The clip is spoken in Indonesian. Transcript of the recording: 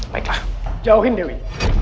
baiklah jauhin dewi